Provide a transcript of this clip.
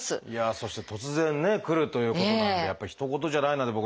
そして突然ね来るということなんでひと事じゃないなって僕なんかは。